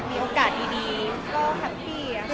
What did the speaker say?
มีโอกาสดีก็แฮปปี้